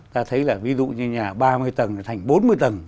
ta thấy là ví dụ như nhà ba mươi tầng thành bốn mươi tầng